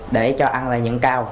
để cho ăn là nhận cao